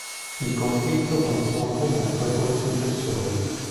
Il conflitto continuò comunque con i successori.